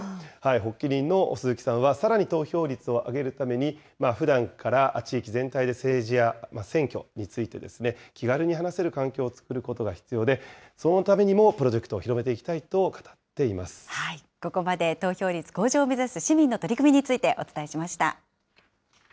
発起人の鈴木さんは、さらに投票率を上げるために、ふだんから地域全体で政治や選挙について、気軽に話せる環境を作ることが必要で、そのためにもプロジェクトをここまで投票率向上を目指す市民の取り組みについてお伝えしました。